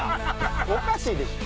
おかしいでしょ！